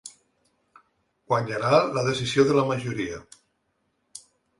Guanyarà la decisió de la majoria.